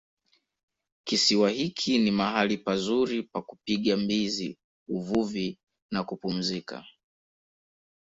Kisiwa hiki ni mahali pazuri pa kupiga mbizi uvuvi au kupumzika